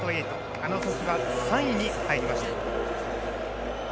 あの時は３位に入りました。